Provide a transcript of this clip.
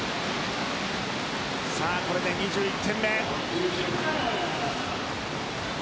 日本、これで２１点目。